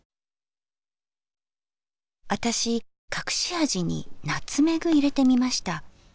私隠し味にナツメグ入れてみました。